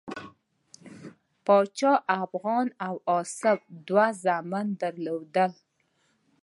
پاچا افغان او آصف دوه زامن درلودل.